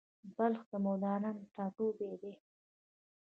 بلخ د مولانا ټاټوبی دی